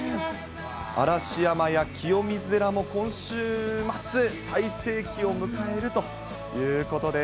嵐山や清水寺も今週末、最盛期を迎えるということです。